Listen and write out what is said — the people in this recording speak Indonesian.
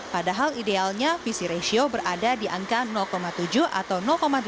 padahal idealnya visi ratio berada di angka tujuh atau delapan